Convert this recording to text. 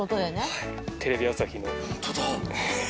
テレビ朝日の。